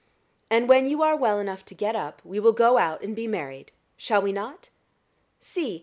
And when you are well enough to get up, we will go out and be married shall we not? See!